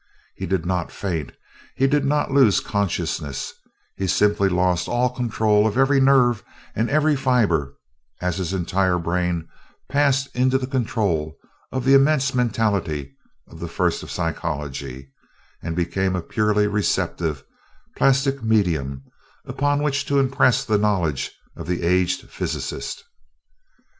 He did not faint, he did not lose consciousness he simply lost all control of every nerve and fiber as his entire brain passed into the control of the immense mentality of the First of Psychology and became a purely receptive, plastic medium upon which to impress the knowledge of the aged physicist.